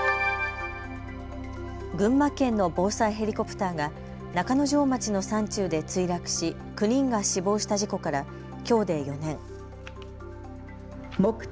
群馬県の防災ヘリコプターが中之条町の山中で墜落し９人が死亡した事故からきょうで４年。